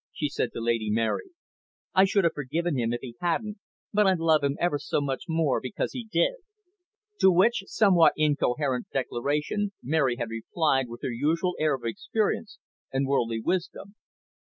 she said to Lady Mary. "I should have forgiven him if he hadn't, but I love him ever so much more because he did." To which somewhat incoherent declaration Mary had replied with her usual air of experience and worldly wisdom.